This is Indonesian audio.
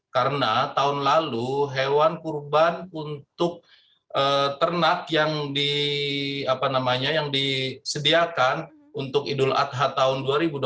karena tahun lalu hewan kurban untuk ternak yang disediakan untuk idul adha tahun dua ribu dua puluh satu